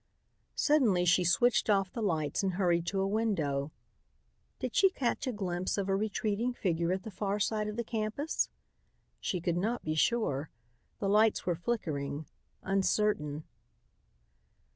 Suddenly she switched off the lights and hurried to a window. Did she catch a glimpse of a retreating figure at the far side of the campus? She could not be sure. The lights were flickering, uncertain.